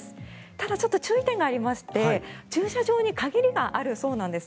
ただ、注意点がありまして駐車場に限りがあるそうです。